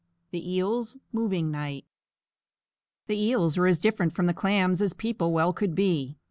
THE EELS' MOVING NIGHT The Eels were as different from the Clams as people well could be.